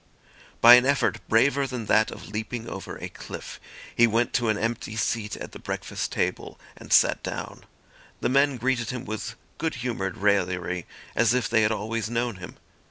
By an effort, braver than that of leaping over a cliff, he went to an empty seat at the breakfast table and sat down. The men greeted him with good humoured raillery as if they had always known him.